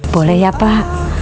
boleh ya pak